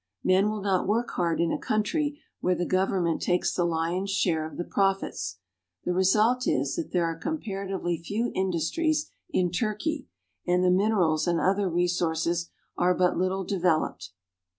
Men will not work hard in a country where the government takes the lion's share of the profits ; the result is that there are comparatively few industries in Turkey, and the minerals and other resources are but little developed.